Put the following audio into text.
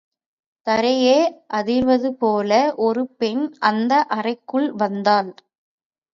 தரையே அதிர்வது போல ஒரு பெண் அந்த அறைக்குள் வந்தாள்.